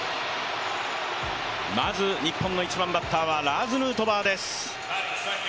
まず日本の１番バッターはラーズ・ヌートバーです。